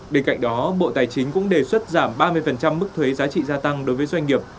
bên cạnh đó bộ tài chính cũng đề xuất giảm ba mươi mức thuế giá trị gia tăng đối với doanh nghiệp